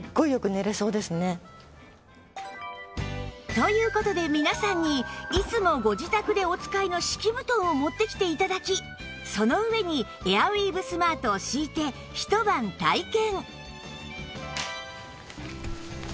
という事で皆さんにいつもご自宅でお使いの敷き布団を持ってきて頂きその上にエアウィーヴスマートを敷いて一晩体験